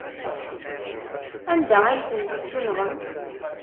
Anda ay ten-tessunɣem?